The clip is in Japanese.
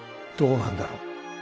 どうなんだろ。